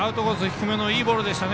低めのいいボールでした。